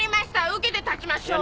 受けて立ちましょう！